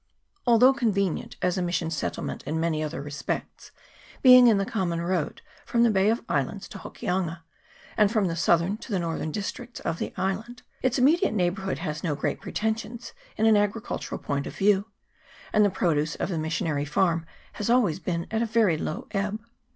Although convenient as a Mission settlement in many other respects, being in the common road from the Bay of Islands to Hoki anga, and from the southern to the northern districts of the island, its immediate neighbourhood has no great pretensions in an agricultural point of view ; and the produce of the Missionary farm has always been at a very low ebb.